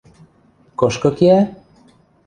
— Кышкы кеӓ?